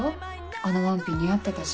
あのワンピ似合ってたし。